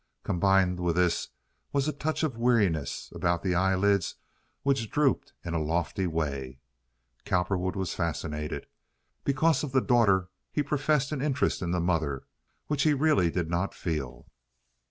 Combined with this was a touch of weariness about the eyelids which drooped in a lofty way. Cowperwood was fascinated. Because of the daughter he professed an interest in the mother, which he really did not feel.